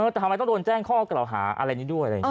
แต่ทำไมต้องโดนแจ้งข้อเกล่าหาอะไรนี้ด้วย